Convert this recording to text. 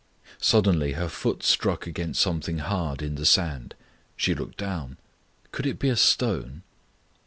Suddenly her foot struck against something hard in the sand. She looked down. Could it be a stone?